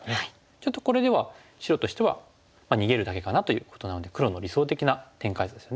ちょっとこれでは白としては逃げるだけかなということなので黒の理想的な展開ですよね。